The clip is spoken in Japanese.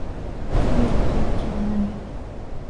明日の天気は何